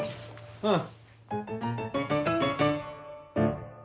うん。